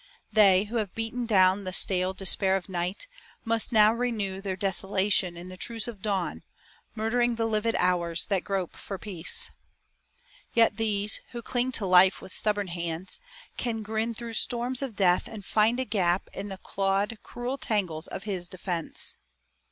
They, who have beaten down The stale despair of night, must now renew Their desolation in the truce of dawn, Murdering the livid hours that grope for peace. Yet these, who cling to life with stubborn hands, Can grin through storms of death and find a gap In the clawed, cruel tangles of his defence.